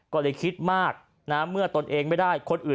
ทดโทษมากเลย